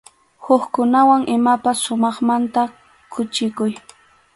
Hukkunawan imapas sumaqmanta quchikuy.